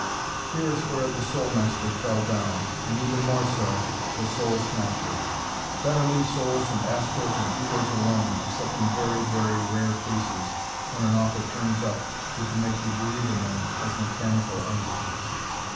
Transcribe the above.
Here is where "The Soul Master" fell down, and, even more so, "The Soul Snatcher." Better leave souls and astrals and egos alone, except in very, very rare cases, when an author turns up who can make you believe in them as mechanical entities.